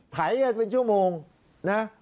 ไถกันเป็นชั่วโมงนะ